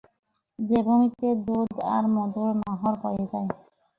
যে ভূমিতে দুধ আর মধুর নহর বয়ে যায়।